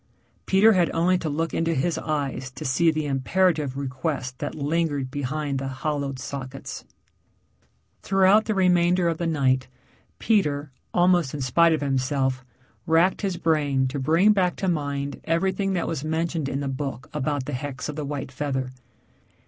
Peter had only to look into his eyes to see the imperative request that lingered behind the hollowed sockets. Throughout the remainder of the night Peter, almost in spite of himself, wracked his brain to bring back to mind everything that was mentioned in the book about the hex of the white feather.